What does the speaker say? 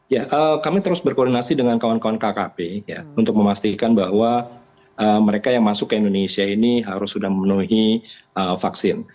ya kami terus berkoordinasi dengan kawan kawan kkp untuk memastikan bahwa mereka yang masuk ke indonesia ini harus sudah memenuhi vaksin